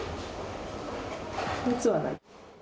熱はない。